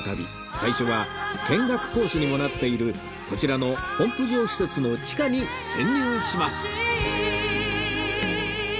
最初は見学コースにもなっているこちらのポンプ場施設の地下に潜入します